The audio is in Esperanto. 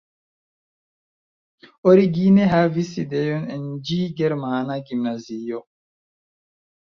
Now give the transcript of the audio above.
Origine havis sidejon en ĝi germana gimnazio.